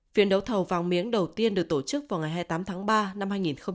phiền đấu thầu vàng miếng đầu tiên được tổ chức vào ngày hai mươi tám tháng ba năm hai nghìn một mươi ba